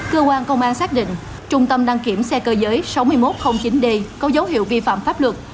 cơ quan công an xác định trung tâm đăng kiểm xe cơ giới sáu nghìn một trăm linh chín d có dấu hiệu vi phạm pháp luật